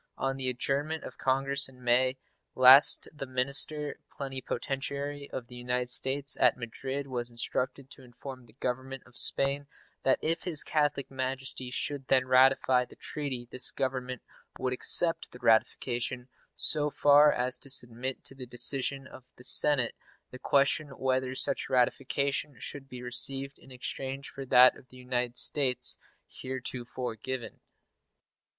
On the adjournment of Congress in May last the minister plenipotentiary of the United States at Madrid was instructed to inform the Government of Spain that if His Catholic Majesty should then ratify the treaty this Government would accept the ratification so far as to submit to the decision of the Senate the question whether such ratification should be received in exchange for that of the United States heretofore given.